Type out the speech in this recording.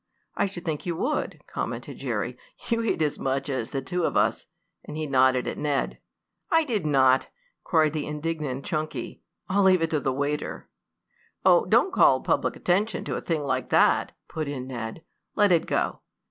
"I should think you would!" commented Jerry. "You ate as much as the two of us," and he nodded at Ned. "I did not!" cried the indignant Chunky. "I'll leave it to the waiter." "Oh, don't call public attention to a thing like that," put in Ned. "Let it go.